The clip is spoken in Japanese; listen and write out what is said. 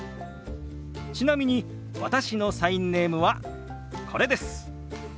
ちなみに私のサインネームはこれです。